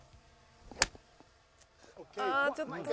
あちょっとか。